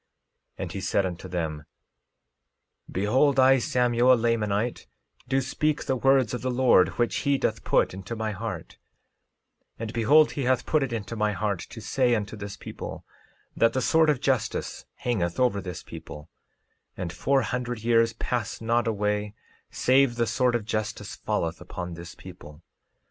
13:5 And he said unto them: Behold, I, Samuel, a Lamanite, do speak the words of the Lord which he doth put into my heart; and behold he hath put it into my heart to say unto this people that the sword of justice hangeth over this people; and four hundred years pass not away save the sword of justice falleth upon this people.